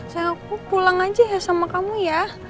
saya aku pulang aja ya sama kamu ya